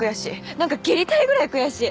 なんか蹴りたいぐらい悔しい！